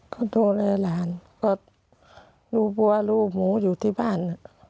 ก็ดูแลหลานก็รู้ว่าลูกหมูอยู่ที่บ้าน